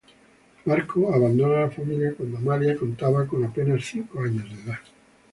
Marco abandona la familia cuando Amalia contaba con apenas cinco años de edad.